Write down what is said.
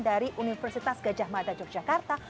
dari universitas gajah mada yogyakarta